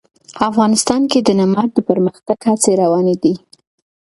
افغانستان کې د نمک د پرمختګ هڅې روانې دي.